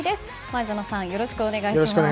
前園さん、よろしくお願いします。